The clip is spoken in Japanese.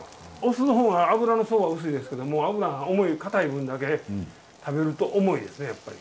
雄の方が脂の層は薄いですけども脂が重いかたい分だけ食べると重いですねやっぱり。